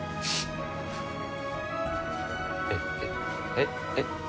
えっえっ？